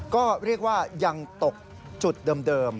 ก็เรียกว่ายังตกจุดเดิม